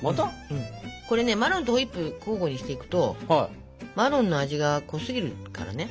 うんこれねマロンとホイップ交互にしていくとマロンの味が濃すぎるからね。